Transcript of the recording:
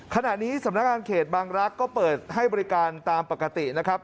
ขณะนี้สำนักงานเขตบางรักษ์ก็เปิดให้บริการตามปกตินะครับ